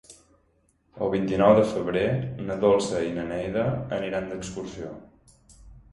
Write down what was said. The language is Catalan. El vint-i-nou de febrer na Dolça i na Neida aniran d'excursió.